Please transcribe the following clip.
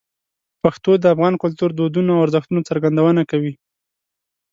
پښتو د افغان کلتور، دودونو او ارزښتونو څرګندونه کوي.